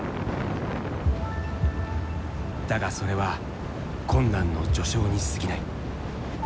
だがそれは困難の序章にすぎない。